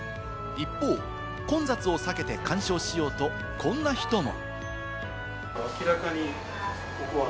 一方、混雑を避けて観賞しようと、こんな人も。